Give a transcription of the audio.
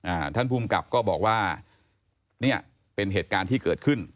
อ่าท่านภูมิกับก็บอกว่าเนี้ยเป็นเหตุการณ์ที่เกิดขึ้น